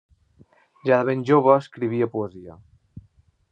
Ja de ben jove escrivia poesia.